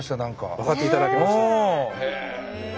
分かっていただけましたか。